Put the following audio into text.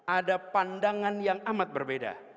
ada pandangan yang amat berbeda